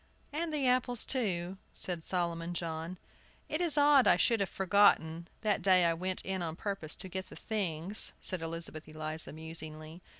"And the apples, too," said Solomon John. "It is odd I should have forgotten, that day I went in on purpose to get the things," said Elizabeth Eliza, musingly.